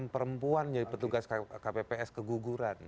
perempuan jadi petugas kpps keguguran